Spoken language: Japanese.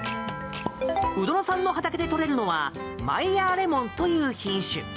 鵜殿さんの畑で採れるのはマイヤーレモンという品種。